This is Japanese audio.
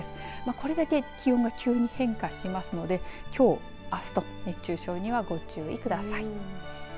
これだけ気温が急に変化しますのできょう、あすと熱中症にはご注意ください。